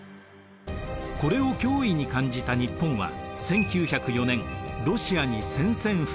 これを脅威に感じた日本は１９０４年ロシアに宣戦布告。